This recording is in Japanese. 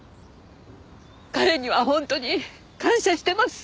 彼には本当に感謝してます。